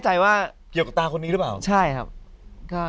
แต่ว่าก็ก็ไม่แน่ใจว่า